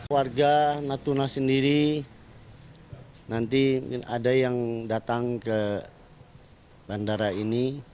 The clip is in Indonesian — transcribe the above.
warga natuna sendiri nanti ada yang datang ke bandara ini